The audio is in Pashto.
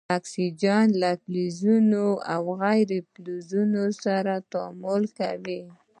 اکسیجن له فلزونو او غیر فلزونو سره تعامل کوي.